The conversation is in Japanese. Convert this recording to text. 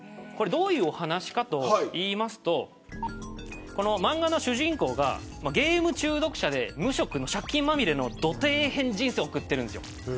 どういう話かというと漫画の主人公がゲーム中毒者で無職の借金まみれのど底辺人生を送っているんです。